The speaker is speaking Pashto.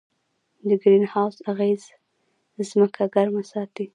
د ګرین هاوس اغېز ځمکه ګرمه ساتي.